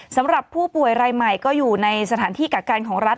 สำหรับผู้ป่วยรายใหม่ก็อยู่ในสถานที่กักกันของรัฐ